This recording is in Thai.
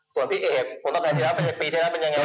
ส่วนพี่เอ๋ผลตอบแทนที่แล้วเป็นยังไง